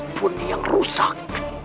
pun yang rusak